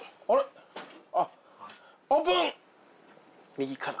・右から。